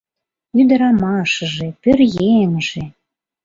Ӱдырамашыже, пӧръеҥже...